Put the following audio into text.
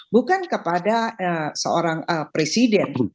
bukan kepada seorang presiden